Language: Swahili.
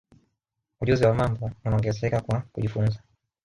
ujuzi wa mambo unaongezeka kwa kujifunza